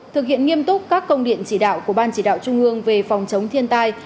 thực hiện nghiêm túc các công điện chỉ đạo của ban chỉ đạo trung ương về phòng chống thiên tai